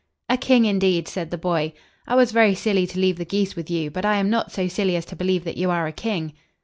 "A king, indeed!" said the boy. "I was very silly to leave the geese with you. But I am not so silly as to believe that you are a king."